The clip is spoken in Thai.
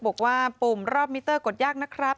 ปุ่มรอบมิเตอร์กดยากนะครับ